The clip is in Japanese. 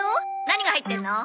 何が入ってんの？